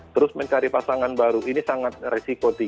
bisa saja kalau katakan harus sendiri sendiri hanya kevin